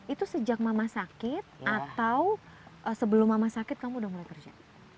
itu sejak mama sakit atau sebelum mama sakit kamu udah mulai kerja